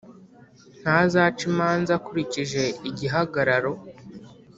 Ntazaca imanza akurikije igihagararo,